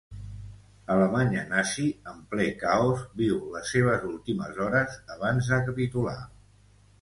Alemanya nazi, en ple caos, viu les seves últimes hores abans de capitular.